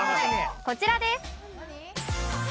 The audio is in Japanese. こちらです。